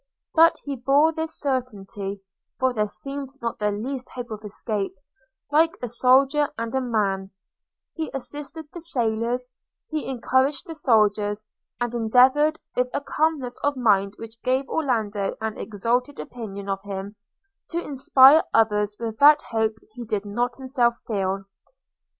But he bore this certainty (for there seemed not the least hope of escape) like a soldier and a man: he assisted the sailors; he encouraged the soldiers; and endeavoured, with a calmness of mind which gave Orlando an exalted opinion of him, to inspire others with that hope he did not himself feel.